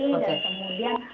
terlalu tinggi dan kemudian